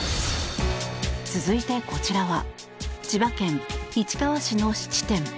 続いて、こちらは千葉県市川市の質店。